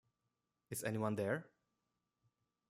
Is anyone there?